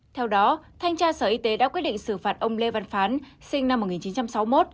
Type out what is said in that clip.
theo đó thanh tra sở y tế đã quyết định xử phạt ông lê văn phán sinh năm một nghìn chín trăm sáu mươi một